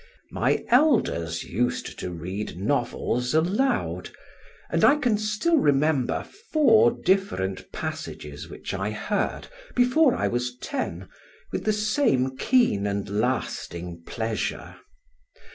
My elders used to read novels aloud; and I can still remember four different passages which I heard, before I was ten, with the same keen and lasting pleasure.